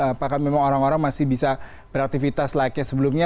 apakah memang orang orang masih bisa beraktivitas layaknya sebelumnya